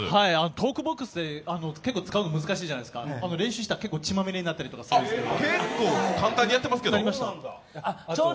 トークボックスって結構使うの難しいんですよ、練習したりすると血まみれになったりするんですけど。